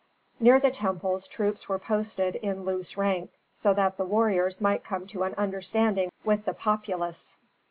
Near the temples troops were posted in loose rank, so that the warriors might come to an understanding with the populace.